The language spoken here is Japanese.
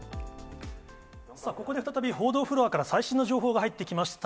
ここで再び報道フロアから、最新の情報が入ってきました。